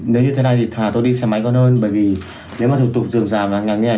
nếu như thế này thì thà tôi đi xe máy con hơn bởi vì nếu mà thực tục dường dà và ngẳng như thế này